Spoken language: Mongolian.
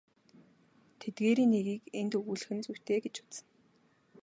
Тэдгээрийн нэгийг энд өгүүлэх нь зүйтэй гэж үзнэ.